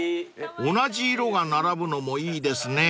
［同じ色が並ぶのもいいですね］